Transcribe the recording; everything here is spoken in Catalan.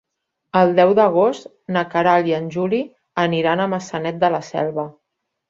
El deu d'agost na Queralt i en Juli aniran a Maçanet de la Selva.